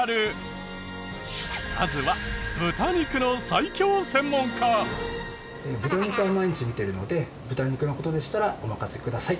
まずは豚肉は毎日見てるので豚肉の事でしたらお任せください。